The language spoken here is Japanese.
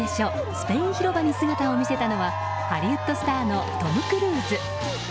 スペイン広場に姿を見せたのはハリウッドスターのトム・クルーズ。